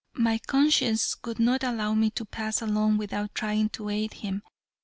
My conscience would not allow me to pass along without trying to aid him.